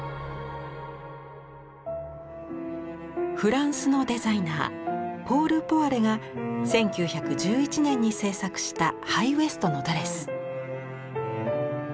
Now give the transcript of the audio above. フランスのデザイナーポール・ポワレが１９１１年に制作したハイウエストのドレス。